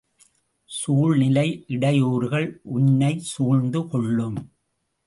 சூழ்நிலை இடையூறுகள் உன்னைச் சூழ்ந்து கொள்ளும்.